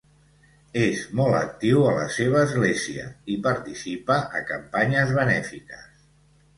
És molt actiu a la seva església i participa a campanyes benèfiques.